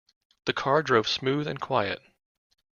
The car drove smooth and quiet.